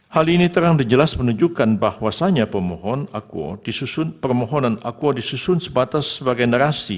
hal ini terang dan jelas menunjukkan bahwasanya permohonan akuo disusun sebatas sebarang generasi